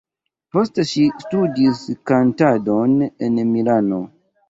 Poste ŝi studis kantadon en Milano.